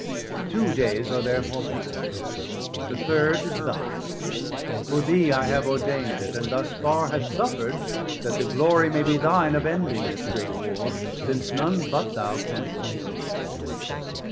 Two dayes are therefore past, the third is thine; For thee I have ordain'd it, and thus farr 700 Have sufferd, that the Glorie may be thine Of ending this great Warr, since none but Thou Can end it.